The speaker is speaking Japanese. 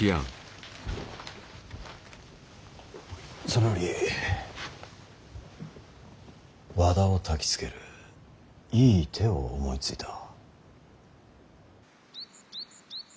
それより和田をたきつけるいい手を思いついた。